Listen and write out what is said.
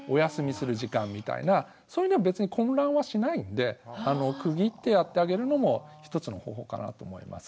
それでも別に混乱はしないんで区切ってやってあげるのも一つの方法かなと思います。